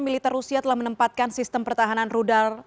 militer rusia telah menempatkan sistem pertahanan rudal